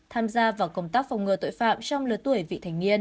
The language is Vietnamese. tham gia vào công tác phòng ngừa tội phạm trong lứa tuổi vị thành niên